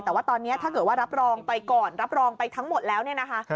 แต่ว่าตอนนี้ถ้าเกิดว่ารับรองไปก่อนรับรองไปทั้งหมดแล้วเนี่ยนะคะ